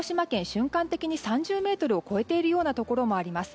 瞬間的に３０メートルを超えているようなところもあります。